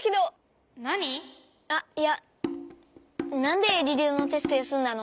あっいやなんでリレーのテストやすんだの？